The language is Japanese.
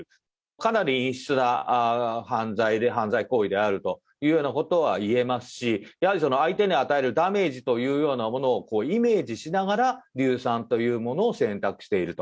かなり陰湿な犯罪で、犯罪行為であるというようなことはいえますし、やはりその相手に与えるダメージというようなものをイメージしながら、硫酸というものを選択していると。